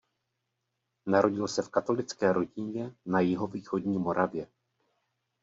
Narodil se v katolické rodině na jihovýchodní Moravě.